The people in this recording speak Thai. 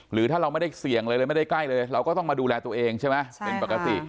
หรือถ้าเราไม่ได้เสี่ยงเลยเลยไม่ได้ใกล้เลยเราก็ต้องมาดูแลตัวเองใช่ไหมเป็นปกติ